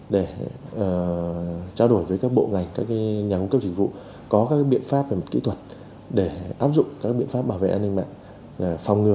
để trao đổi với các bộ ngành các nhà công cấp chính phủ có các biện pháp kỹ thuật để áp dụng các biện pháp bảo vệ an ninh mạng